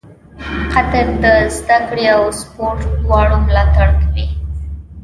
قطر د زده کړې او سپورټ دواړو ملاتړ کوي.